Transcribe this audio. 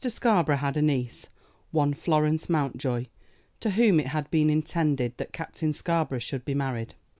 Scarborough had a niece, one Florence Mountjoy, to whom it had been intended that Captain Scarborough should be married.